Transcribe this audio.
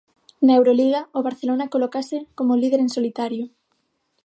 Na Euroliga, o Barcelona colócase como líder en solitario.